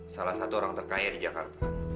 salah satu orang terkaya di jakarta